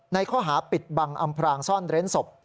ในข้อหาปิดบังอำพรางซ่อนเร้นศพ